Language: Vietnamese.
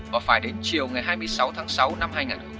bỏ phải đến chiều ngày hai mươi sáu tháng sáu năm hai nghìn một mươi tám